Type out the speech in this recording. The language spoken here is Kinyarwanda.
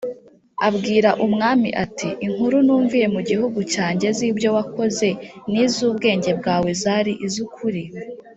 Abwira umwami ati “Inkuru numviye mu gihugu cyanjye z’ibyo wakoze n’iz’ubwenge bwawe zari iz’ukuri